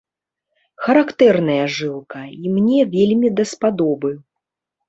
Характэрная жылка, і мне вельмі даспадобы.